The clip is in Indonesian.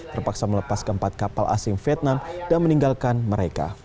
terpaksa melepaskan empat kapal asing vietnam dan meninggalkan mereka